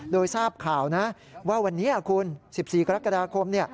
โดยทราบข่าวนะว่าวันนี้คุณ๑๔กรกฎาคม